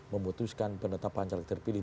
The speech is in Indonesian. memutuskan penetapan calon terpilih